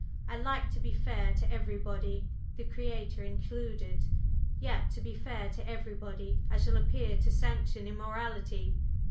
I like to be fair to everybody, the Creator included; yet to be fair to everybody I shall appear to sanction immorality.